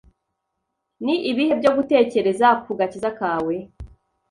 Ni ibihe byo gutekereza ku gakiza kawe?